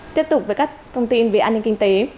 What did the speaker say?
tiếp tục với các thông tin về an ninh kinh tế